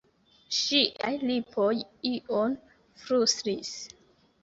Ŝiaj lipoj ion flustris.